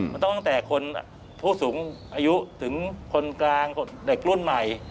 มันต้องตั้งแต่คนผู้สูงอายุถึงคนกลางเด็กรุ่นใหม่